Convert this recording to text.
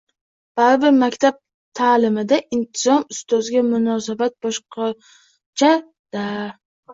Baribir maktab taʼlimida intizom, ustozga munosabat boshqacha-da!